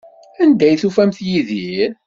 Anda ay tufamt Yidir?